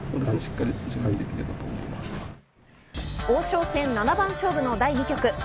王将戦七番勝負の第２局。